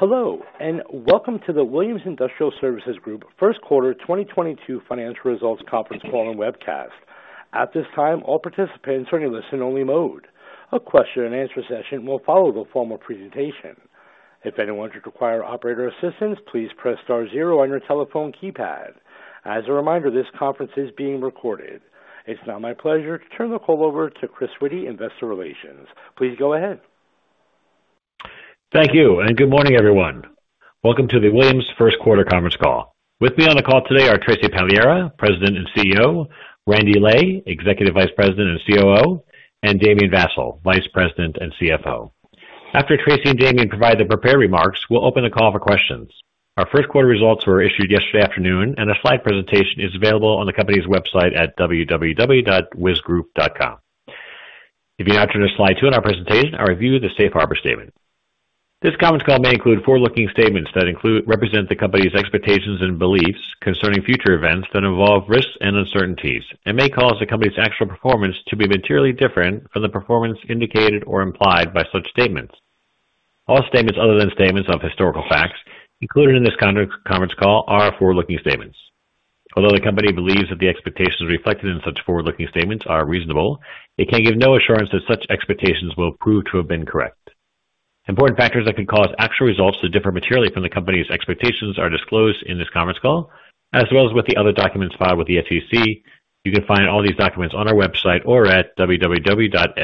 Hello, and welcome to the Williams Industrial Services Group First Quarter 2022 Financial Results Conference Call and Webcast. At this time, all participants are in a listen-only mode. A question and answer session will follow the formal presentation. If anyone should require operator assistance, please press star zero on your telephone keypad. As a reminder, this conference is being recorded. It's now my pleasure to turn the call over to Chris Witty, Investor Relations. Please go ahead. Thank you, and good morning, everyone. Welcome to the Williams First Quarter Conference Call. With me on the call today are Tracy Pagliara, President and CEO, Randy Lay, Executive Vice President and COO, and Damien Vassall, Vice President and CFO. After Tracy and Damien provide their prepared remarks, we'll open the call for questions. Our first quarter results were issued yesterday afternoon, and a slide presentation is available on the company's website at www.wisgrp.com. If you now turn to slide two in our presentation, I'll review the safe harbor statement. This conference call may include forward-looking statements that represent the company's expectations and beliefs concerning future events that involve risks and uncertainties and may cause the company's actual performance to be materially different from the performance indicated or implied by such statements. All statements other than statements of historical facts included in this conference call are forward-looking statements. Although the company believes that the expectations reflected in such forward-looking statements are reasonable, it can give no assurance that such expectations will prove to have been correct. Important factors that could cause actual results to differ materially from the company's expectations are disclosed in this conference call, as well as with the other documents filed with the SEC. You can find all these documents on our website or at www.sec.gov.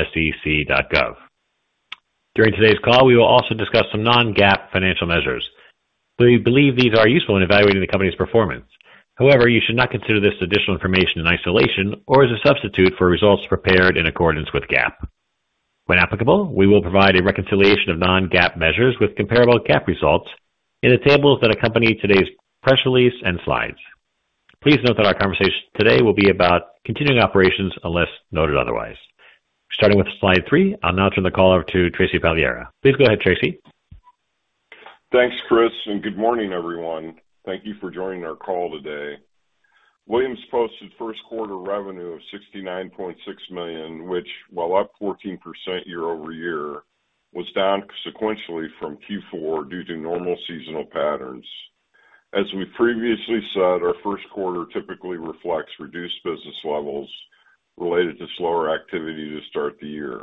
During today's call, we will also discuss some non-GAAP financial measures. We believe these are useful in evaluating the company's performance. However, you should not consider this additional information in isolation or as a substitute for results prepared in accordance with GAAP. When applicable, we will provide a reconciliation of non-GAAP measures with comparable GAAP results in the tables that accompany today's press release and slides. Please note that our conversation today will be about continuing operations unless noted otherwise. Starting with slide three, I'll now turn the call over to Tracy Pagliara. Please go ahead, Tracy. Thanks, Chris, and good morning, everyone. Thank you for joining our call today. Williams posted first quarter revenue of $69.6 million, which, while up 14% year-over-year, was down sequentially from Q4 due to normal seasonal patterns. As we previously said, our first quarter typically reflects reduced business levels related to slower activity to start the year.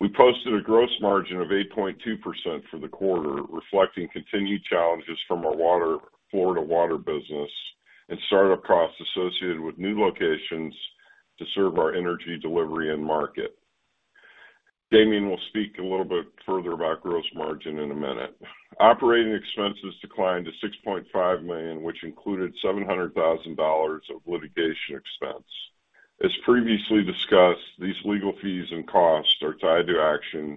We posted a gross margin of 8.2% for the quarter, reflecting continued challenges from our Florida water business and startup costs associated with new locations to serve our energy delivery end market. Damien will speak a little bit further about gross margin in a minute. Operating expenses declined to $6.5 million, which included $700,000 of litigation expense. As previously discussed, these legal fees and costs are tied to action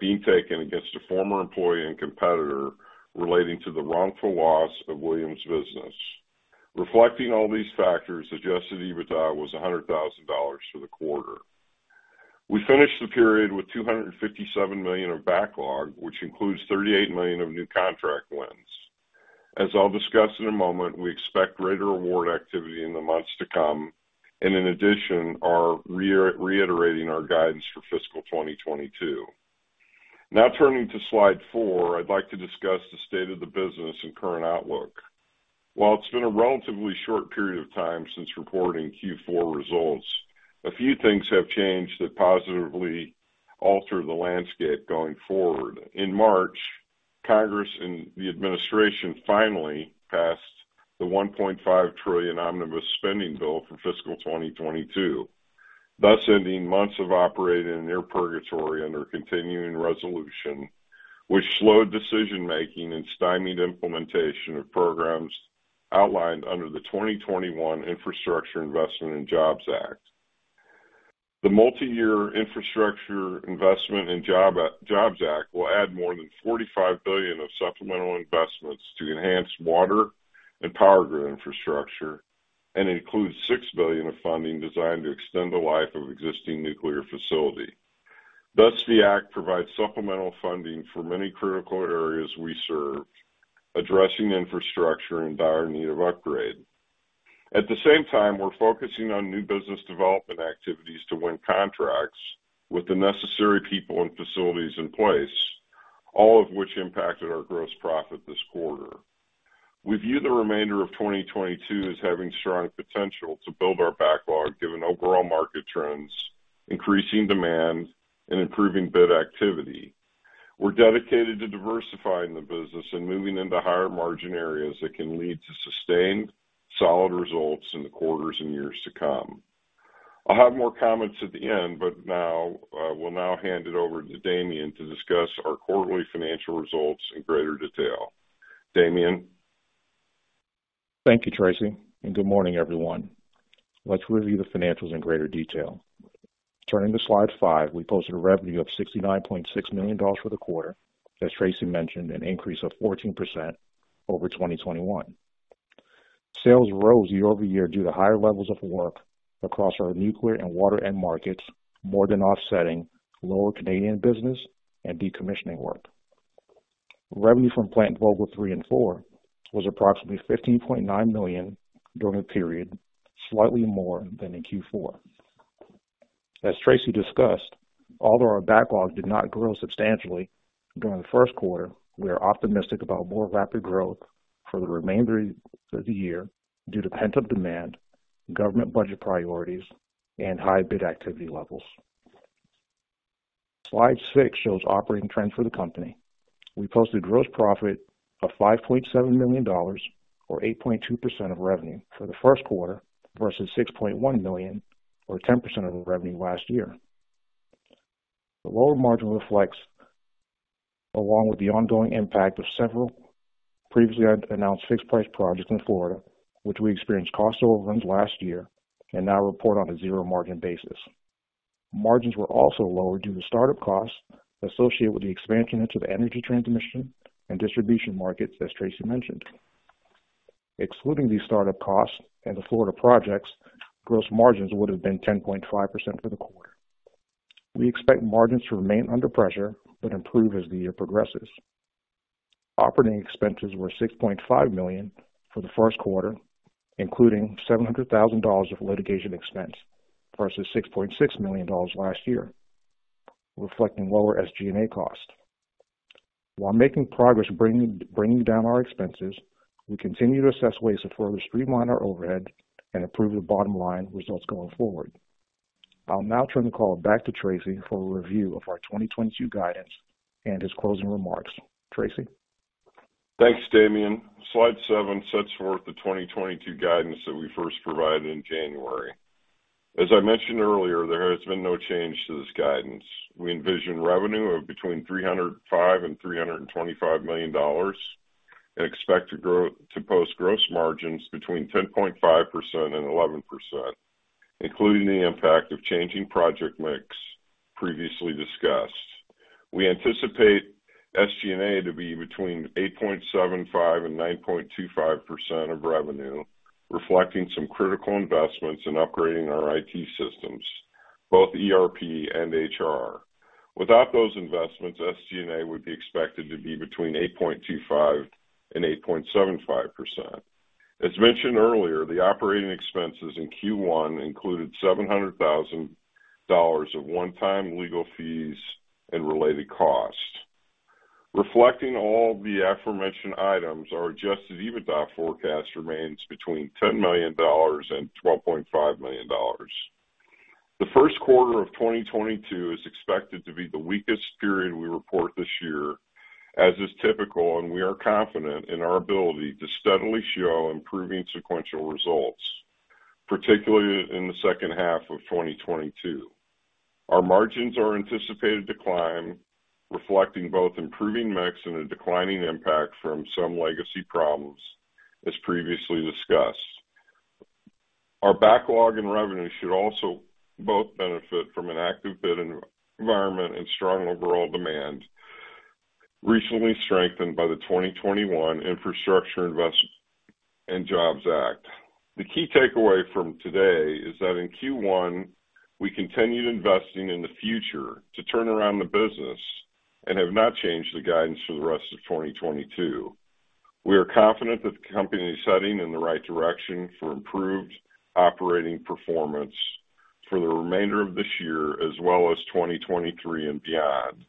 being taken against a former employee and competitor relating to the wrongful loss of Williams' business. Reflecting all these factors, adjusted EBITDA was $100,000 for the quarter. We finished the period with $257 million of backlog, which includes $38 million of new contract wins. As I'll discuss in a moment, we expect greater award activity in the months to come and in addition are reiterating our guidance for fiscal 2022. Now turning to slide four, I'd like to discuss the state of the business and current outlook. While it's been a relatively short period of time since reporting Q4 results, a few things have changed that positively alter the landscape going forward. In March, Congress and the administration finally passed the $1.5 trillion omnibus spending bill for fiscal 2022, thus ending months of operating in near purgatory under continuing resolution, which slowed decision-making and stymied implementation of programs outlined under the 2021 Infrastructure Investment and Jobs Act. The Infrastructure Investment and Jobs Act will add more than $45 billion of supplemental investments to enhance water and power grid infrastructure and includes $6 billion of funding designed to extend the life of existing nuclear facility. Thus, the act provides supplemental funding for many critical areas we serve, addressing infrastructure in dire need of upgrade. At the same time, we're focusing on new business development activities to win contracts with the necessary people and facilities in place, all of which impacted our gross profit this quarter. We view the remainder of 2022 as having strong potential to build our backlog, given overall market trends, increasing demand, and improving bid activity. We're dedicated to diversifying the business and moving into higher margin areas that can lead to sustained solid results in the quarters and years to come. I'll have more comments at the end, but now, we'll now hand it over to Damien to discuss our quarterly financial results in greater detail. Damien? Thank you, Tracy, and good morning, everyone. Let's review the financials in greater detail. Turning to slide five, we posted revenue of $69.6 million for the quarter. As Tracy mentioned, an increase of 14% over 2021. Sales rose year-over-year due to higher levels of work across our nuclear and water end markets, more than offsetting lower Canadian business and decommissioning work. Revenue from Plant Vogtle 3 and 4 was approximately $15.9 million during the period, slightly more than in Q4. As Tracy discussed, although our backlog did not grow substantially during the first quarter, we are optimistic about more rapid growth for the remainder of the year due to pent-up demand, government budget priorities, and high bid activity levels. Slide six shows operating trends for the company. We posted gross profit of $5.7 million or 8.2% of revenue for the first quarter versus $6.1 million or 10% of the revenue last year. The lower margin reflects, along with the ongoing impact of several previously unannounced fixed price projects in Florida, which we experienced cost overruns last year and now report on a zero margin basis. Margins were also lower due to start-up costs associated with the expansion into the energy transmission and distribution markets, as Tracy mentioned. Excluding these start-up costs and the Florida projects, gross margins would have been 10.5% for the quarter. We expect margins to remain under pressure but improve as the year progresses. Operating expenses were $6.5 million for the first quarter, including $700,000 of litigation expense versus $6.6 million last year, reflecting lower SG&A costs. While making progress bringing down our expenses, we continue to assess ways to further streamline our overhead and improve the bottom line results going forward. I'll now turn the call back to Tracy for a review of our 2022 guidance and his closing remarks. Tracy? Thanks, Damien. Slide seven sets forth the 2022 guidance that we first provided in January. As I mentioned earlier, there has been no change to this guidance. We envision revenue of between $305 million and $325 million and expect to post gross margins between 10.5% and 11%, including the impact of changing project mix previously discussed. We anticipate SG&A to be between 8.75% and 9.25% of revenue, reflecting some critical investments in upgrading our IT systems, both ERP and HR. Without those investments, SG&A would be expected to be between 8.25% and 8.75%. As mentioned earlier, the operating expenses in Q1 included $700,000 of one-time legal fees and related costs. Reflecting all the aforementioned items, our adjusted EBITDA forecast remains between $10 million and $12.5 million. The first quarter of 2022 is expected to be the weakest period we report this year, as is typical, and we are confident in our ability to steadily show improving sequential results, particularly in the second half of 2022. Our margins are anticipated to climb, reflecting both improving mix and a declining impact from some legacy problems, as previously discussed. Our backlog and revenue should also both benefit from an active bid environment and strong overall demand, recently strengthened by the 2021 Infrastructure Investment and Jobs Act. The key takeaway from today is that in Q1, we continued investing in the future to turn around the business and have not changed the guidance for the rest of 2022. We are confident that the company is heading in the right direction for improved operating performance for the remainder of this year as well as 2023 and beyond,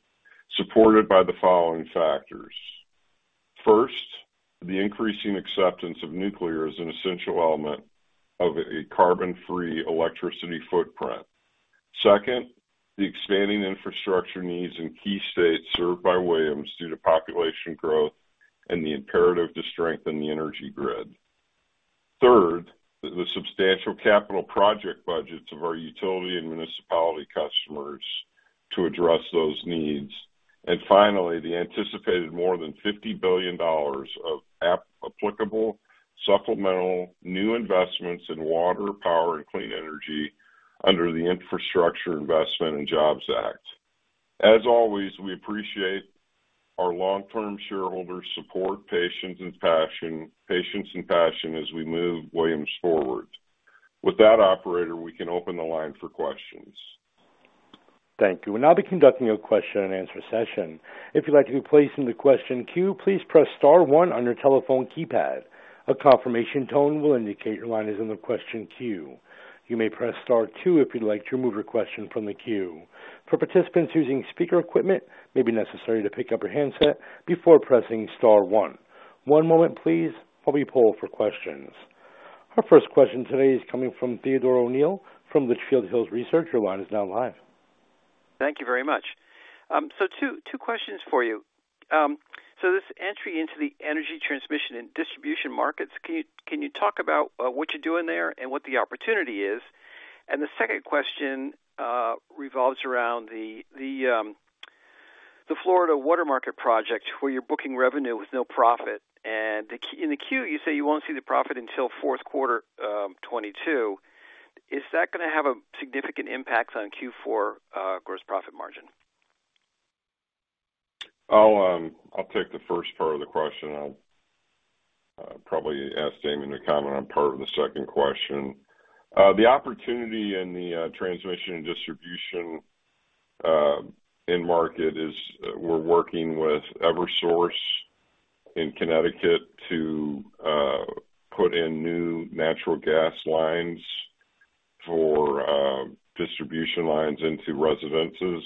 supported by the following factors. First, the increasing acceptance of nuclear as an essential element of a carbon-free electricity footprint. Second, the expanding infrastructure needs in key states served by Williams due to population growth and the imperative to strengthen the energy grid. Third, the substantial capital project budgets of our utility and municipality customers to address those needs. Finally, the anticipated more than $50 billion of applicable supplemental new investments in water, power, and clean energy under the Infrastructure Investment and Jobs Act. As always, we appreciate our long-term shareholders' support, patience, and passion as we move Williams forward. With that, operator, we can open the line for questions. Thank you. We'll now be conducting a question and answer session. If you'd like to be placed in the question queue, please press star one on your telephone keypad. A confirmation tone will indicate your line is in the question queue. You may press star two if you'd like to remove your question from the queue. For participants using speaker equipment, it may be necessary to pick up your handset before pressing star one. One moment please while we poll for questions. Our first question today is coming from Theodore O'Neill from the Litchfield Hills Research. Your line is now live. Thank you very much. Two questions for you. This entry into the energy transmission and distribution markets, can you talk about what you're doing there and what the opportunity is? The second question revolves around the Florida water market project where you're booking revenue with no profit. The key in the Q you say you won't see the profit until fourth quarter 2022. Is that gonna have a significant impact on Q4 gross profit margin? I'll take the first part of the question. I'll probably ask Damien to comment on part of the second question. The opportunity in the transmission and distribution end market is we're working with Eversource in Connecticut to put in new natural gas lines for distribution lines into residences.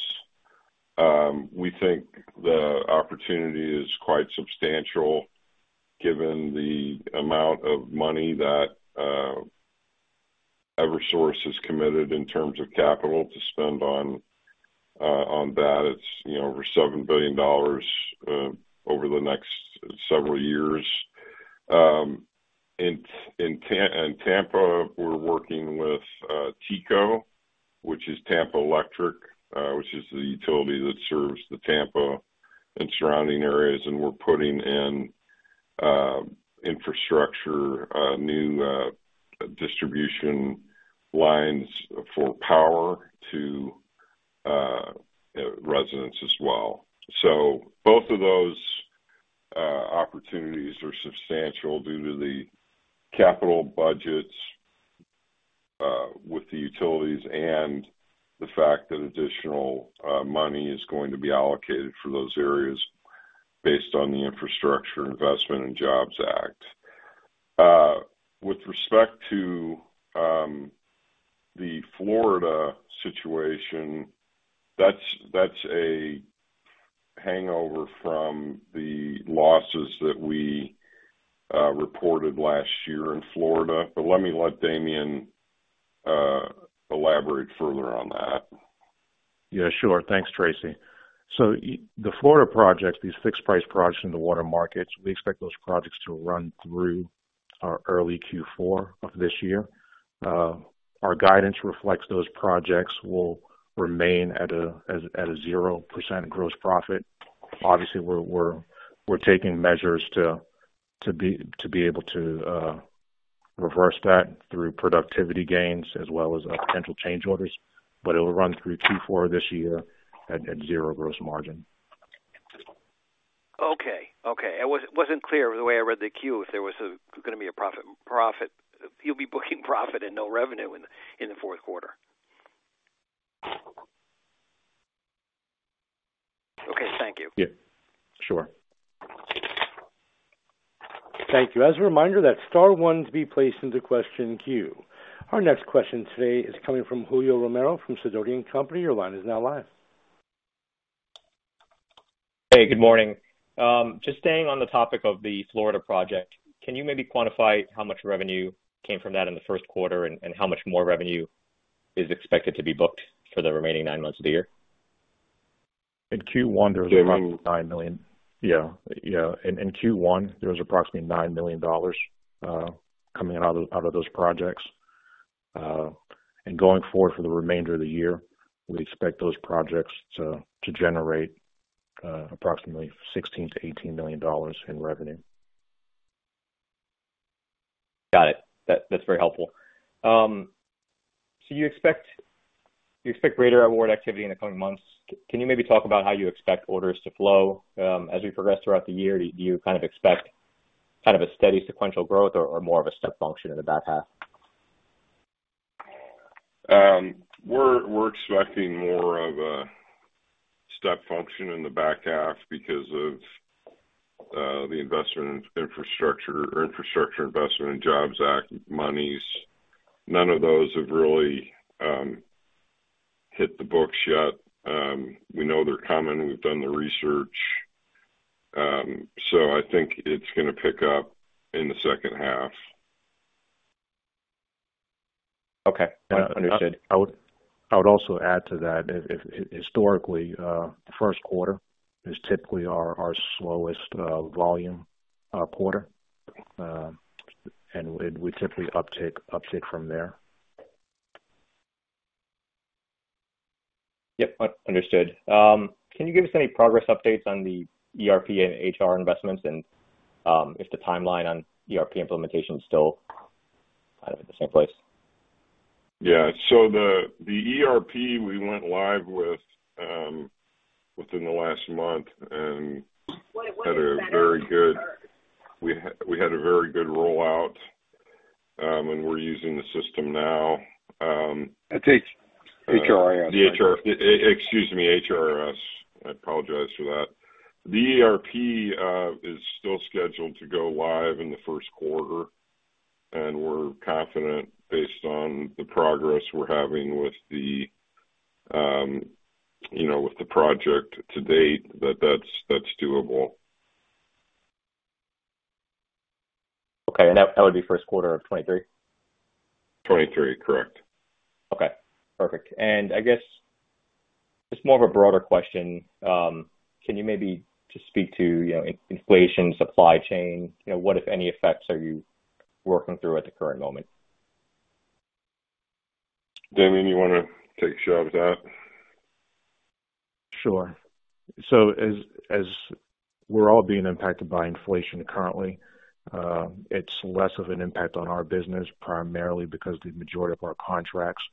We think the opportunity is quite substantial given the amount of money that Eversource has committed in terms of capital to spend on that. It's, you know, over $7 billion over the next several years. In Tampa, we're working with TECO, which is Tampa Electric, which is the utility that serves the Tampa and surrounding areas. We're putting in infrastructure new distribution lines for power to residents as well. Both of those opportunities are substantial due to the capital budgets with the utilities and the fact that additional money is going to be allocated for those areas based on the Infrastructure Investment and Jobs Act. With respect to the Florida situation, that's a hangover from the losses that we reported last year in Florida. Let me let Damien elaborate further on that. Yeah, sure. Thanks, Tracy. The Florida projects, these fixed price projects in the water markets, we expect those projects to run through our early Q4 of this year. Our guidance reflects those projects will remain at a 0% gross profit. Obviously, we're taking measures to be able to reverse that through productivity gains as well as potential change orders, but it will run through Q4 this year at zero gross margin. Okay. It wasn't clear the way I read the queue if there was gonna be a profit. You'll be booking profit and no revenue in the fourth quarter. Okay. Thank you. Yeah. Sure. Thank you. As a reminder, that's star one to be placed into question queue. Our next question today is coming from Julio Romero from Sidoti & Company. Your line is now live. Hey, good morning. Just staying on the topic of the Florida project, can you maybe quantify how much revenue came from that in the first quarter and how much more revenue is expected to be booked for the remaining nine months of the year? In Q1, there was approximately $9 million. Damian. Yeah, yeah. In Q1, there was approximately $9 million coming out of those projects. Going forward for the remainder of the year, we expect those projects to generate approximately $16 million-$18 million in revenue. Got it. That's very helpful. You expect greater award activity in the coming months. Can you maybe talk about how you expect orders to flow as we progress throughout the year? Do you kind of expect kind of a steady sequential growth or more of a step function in the back half? We're expecting more of a step function in the back half because of the Infrastructure Investment and Jobs Act monies. None of those have really hit the books yet. We know they're coming. We've done the research. I think it's gonna pick up in the second half. Okay. Understood. I would also add to that, historically, first quarter is typically our slowest volume quarter. We typically uptick from there. Yep. Understood. Can you give us any progress updates on the ERP and HR investments and if the timeline on ERP implementation is still kind of at the same place? Yeah. The ERP we went live with within the last month. We had a very good rollout, and we're using the system now. It's HRIS. HRIS. I apologize for that. The ERP is still scheduled to go live in the first quarter, and we're confident based on the progress we're having with the, you know, with the project to date that that's doable. Okay. That would be first quarter of 2023? 2023, correct. Okay. Perfect. I guess just more of a broader question. Can you maybe just speak to, you know, inflation, supply chain? You know, what, if any, effects are you working through at the current moment? Damien, you wanna take a shot at that? Sure. As we're all being impacted by inflation currently, it's less of an impact on our business, primarily because the majority of our contracts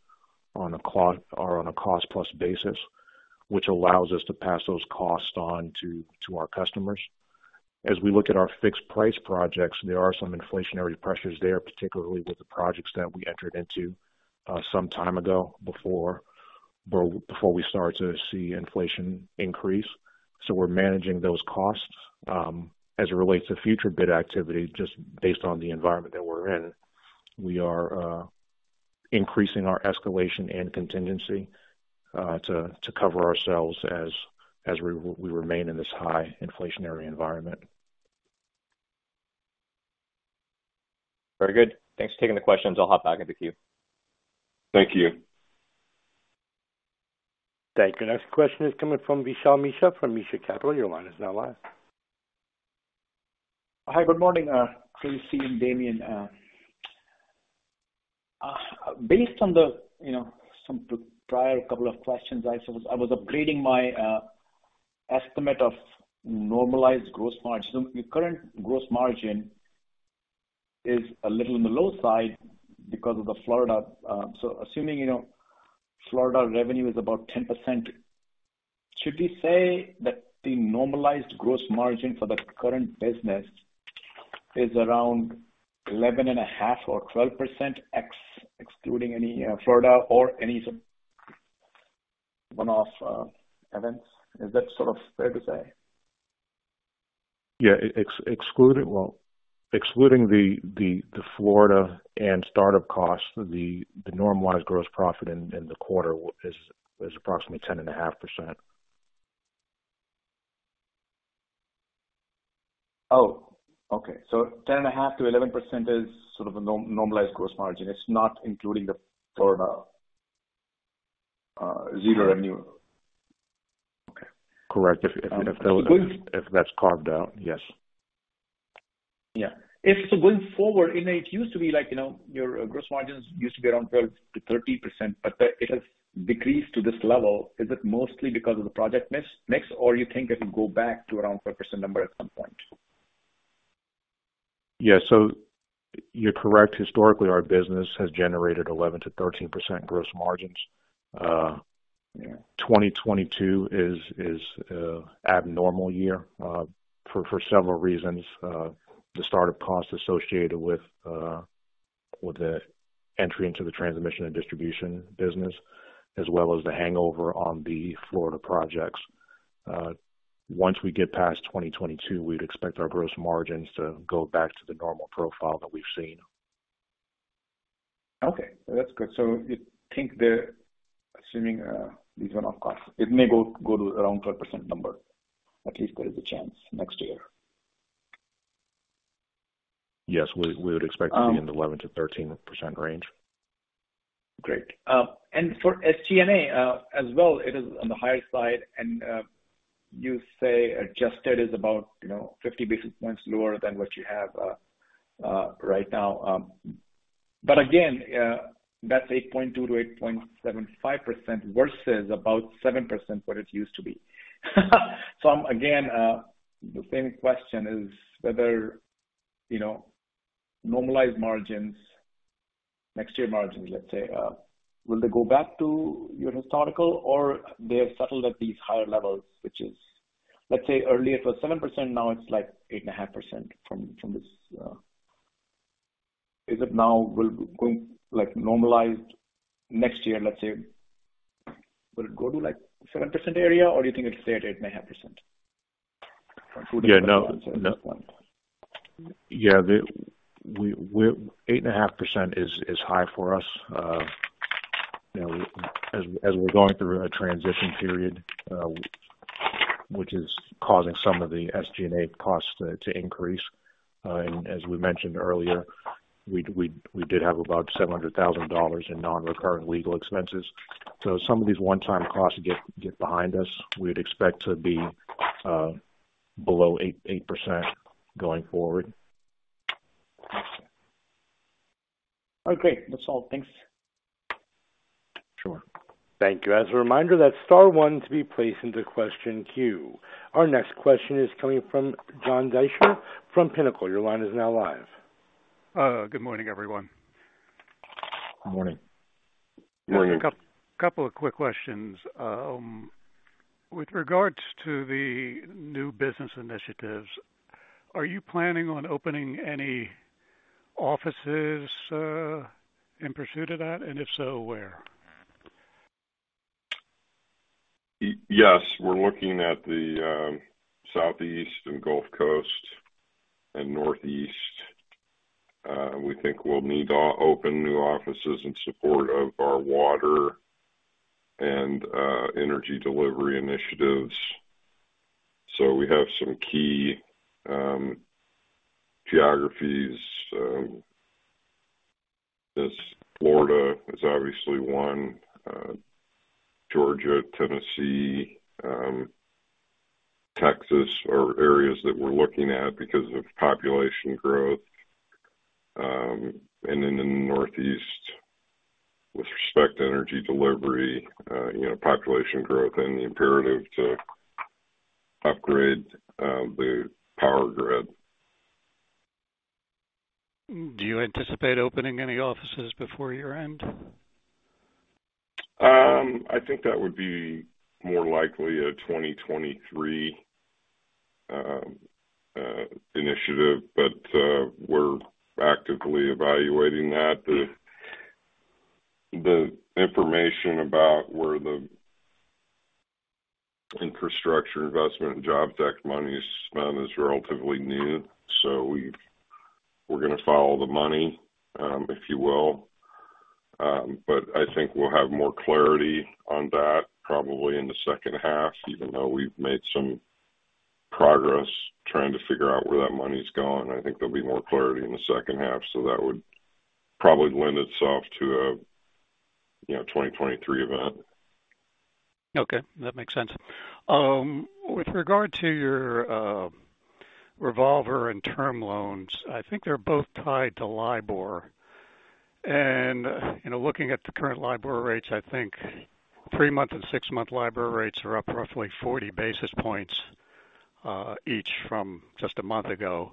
are on a cost plus basis, which allows us to pass those costs on to our customers. As we look at our fixed price projects, there are some inflationary pressures there, particularly with the projects that we entered into some time ago, before. Well, before we start to see inflation increase. We're managing those costs. As it relates to future bid activity, just based on the environment that we're in, we are increasing our escalation and contingency to cover ourselves as we remain in this high inflationary environment. Very good. Thanks for taking the questions. I'll hop back in the queue. Thank you. Thank you. Next question is coming from Vishal Mishra from Mishra Capital. Your line is now live. Hi, good morning, Tracy and Damien. Based on the, you know, some prior couple of questions, I was upgrading my estimate of normalized gross margin. Your current gross margin is a little on the low side because of the Florida. Assuming, you know, Florida revenue is about 10%, should we say that the normalized gross margin for the current business is around 11.5% or 12% excluding any Florida or any such one-off events? Is that sort of fair to say? Yeah. Well, excluding the Florida and start-up costs, the normalized gross profit in the quarter is approximately 10.5%. Oh, okay. 10.5%-11% is sort of a normalized gross margin. It's not including the Florida zero revenue. Okay. Correct. If that's carved out, yes. Yeah. If so going forward, it may. It used to be like, you know, your gross margins used to be around 12%-13%, but it has decreased to this level. Is it mostly because of the project mix or you think it will go back to around 4% number at some point? Yeah. You're correct. Historically, our business has generated 11%-13% gross margins. 2022 is a abnormal year for several reasons. The start-up costs associated with the entry into the transmission and distribution business as well as the hangover on the Florida projects. Once we get past 2022, we'd expect our gross margins to go back to the normal profile that we've seen. Okay, that's good. You think the assuming these one-off costs, it may go to around 4% number. At least there is a chance next year. Yes. We would expect to be in the 11%-13% range. Great. For SG&A, as well, it is on the higher side. You say adjusted is about, you know, 50 basis points lower than what you have right now. Again, that's 8.2%-8.75% versus about 7% what it used to be. I'm again, the same question is whether, you know, normalized margins, next year margins, let's say, will they go back to your historical or they have settled at these higher levels, which is, let's say earlier it was 7%, now it's like 8.5% from this. Is it now will going like normalized next year, let's say, will it go to like 7% area or do you think it'll stay at 8.5%? 8.5% is high for us, you know, as we're going through a transition period, which is causing some of the SG&A costs to increase. As we mentioned earlier, we did have about $700,000 in non-recurring legal expenses. Some of these one-time costs get behind us. We'd expect to be below 8% going forward. Okay. That's all. Thanks. Sure. Thank you. As a reminder, that's star one to be placed into question queue. Our next question is coming from John Deisher from Pinnacle. Your line is now live. Good morning, everyone. Morning. I have a couple of quick questions. With regards to the new business initiatives, are you planning on opening any offices in pursuit of that? If so, where? Yes, we're looking at the Southeast and Gulf Coast and Northeast. We think we'll need to open new offices in support of our water and energy delivery initiatives. We have some key geographies. As Florida is obviously one, Georgia, Tennessee, Texas are areas that we're looking at because of population growth. In the Northeast with respect to energy delivery, you know, population growth and the imperative to upgrade the power grid. Do you anticipate opening any offices before year-end? I think that would be more likely a 2023. Initiative, but we're actively evaluating that. The information about where the Infrastructure Investment and Jobs Act money is spent is relatively new. We're gonna follow the money, if you will. I think we'll have more clarity on that probably in the second half, even though we've made some progress trying to figure out where that money's going. I think there'll be more clarity in the second half. That would probably lend itself to a, you know, 2023 event. Okay, that makes sense. With regard to your revolver and term loans, I think they're both tied to LIBOR. You know, looking at the current LIBOR rates, I think three-month and six-month LIBOR rates are up roughly 40 basis points each from just a month ago.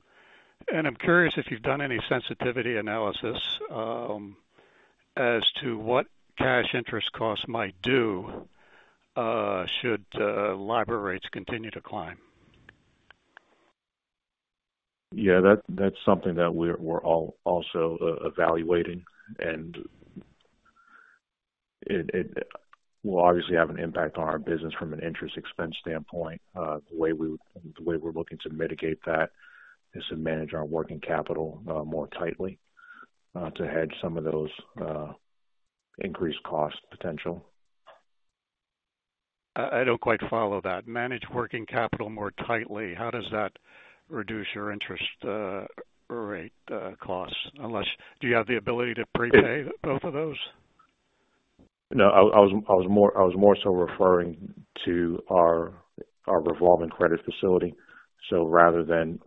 I'm curious if you've done any sensitivity analysis as to what cash interest costs might do should LIBOR rates continue to climb? Yeah, that's something that we're also evaluating, and it will obviously have an impact on our business from an interest expense standpoint. The way we're looking to mitigate that is to manage our working capital more tightly to hedge some of those increased cost potential. I don't quite follow that. Manage working capital more tightly, how does that reduce your interest rate costs? Unless do you have the ability to prepay both of those? No, I was more so referring to our revolving credit facility. Rather than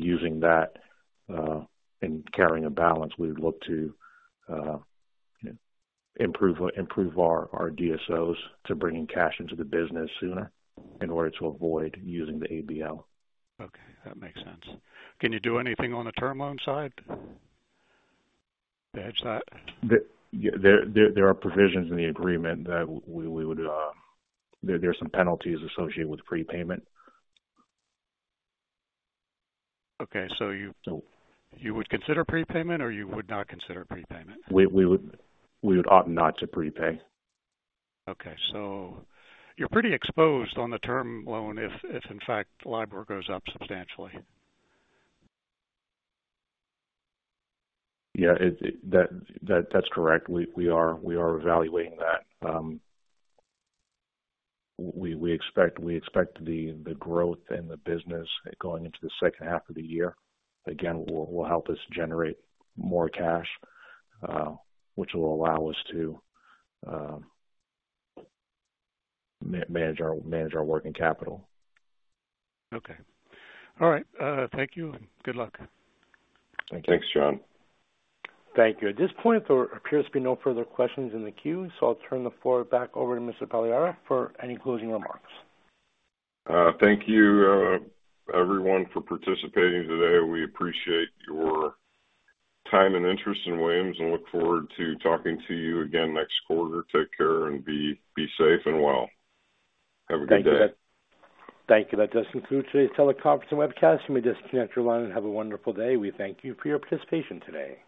using that and carrying a balance, we would look to improve our DSOs to bring in cash into the business sooner in order to avoid using the ABL. Okay, that makes sense. Can you do anything on the term loan side to hedge that? Yeah. There are provisions in the agreement that we would. There are some penalties associated with prepayment. Okay. So. You would consider prepayment or you would not consider prepayment? We would opt not to prepay. Okay. You're pretty exposed on the term loan if in fact, LIBOR goes up substantially. Yeah. That's correct. We are evaluating that. We expect the growth in the business going into the second half of the year. Again, will help us generate more cash, which will allow us to manage our working capital. Okay. All right. Thank you, and good luck. Thanks, John. Thank you. At this point, there appears to be no further questions in the queue, so I'll turn the floor back over to Mr. Pagliara for any closing remarks. Thank you, everyone for participating today. We appreciate your time and interest in Williams and look forward to talking to you again next quarter. Take care and be safe and well. Have a good day. Thank you. That does conclude today's teleconference and webcast. You may disconnect your line and have a wonderful day. We thank you for your participation today.